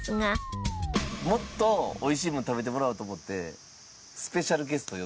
もっとおいしいもの食べてもらおうと思ってえっ？